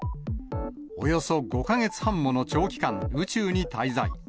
およそ５か月半もの長期間、宇宙に滞在。